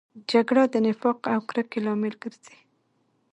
جګړه د نفاق او کرکې لامل ګرځي